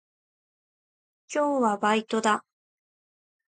今日はバイトだ。